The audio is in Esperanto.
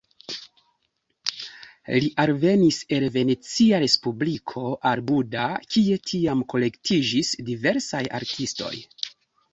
Li alvenis el Venecia respubliko al Buda, kie tiam kolektiĝis diversaj artistoj.